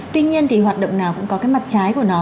tuy nhiên thì hoạt động nào cũng có cái mặt trái của nó